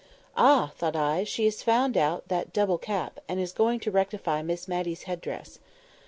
Ah! thought I, she has found out that double cap, and is going to rectify Miss Matty's head dress.